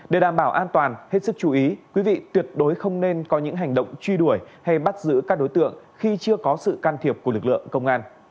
để đảm bảo an toàn hết sức chú ý quý vị tuyệt đối không nên có những hành động truy đuổi hay bắt giữ các đối tượng khi chưa có sự can thiệp của lực lượng công an